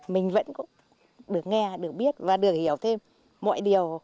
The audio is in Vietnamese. mình vẫn được nghe được biết và được hiểu thêm mọi điều